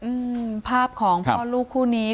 อืมภาพของพ่อลูกคู่นี้